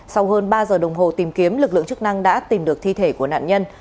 sau hơn ba giờ đồng hồ tìm kiếm lực lượng chức năng đã tìm được thi thể của nạn nhân